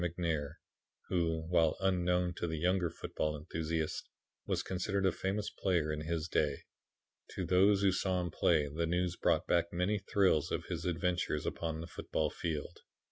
McNair who, while unknown to the younger football enthusiasts, was considered a famous player in his day. To those who saw him play the news brought back many thrills of his adventures upon the football field.